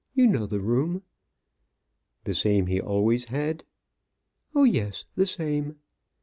You know the room?" "The same he always had?" "Oh, yes; the same."